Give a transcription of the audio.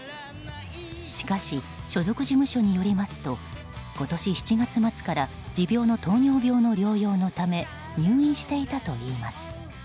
しかし、所属事務所によりますと今年７月末から持病の糖尿病の療養のため入院していたといいます。